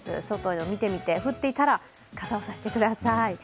外見ていて、降っていたら、傘を差してください。